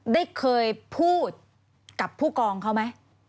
ได้เคยพูดกับผู้กองเขาไหม